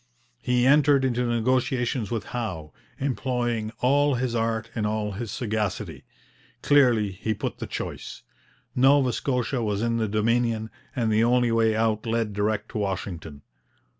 He entered into negotiations with Howe, employing all his art and all his sagacity. Clearly he put the choice. Nova Scotia was in the Dominion, and the only way out led direct to Washington.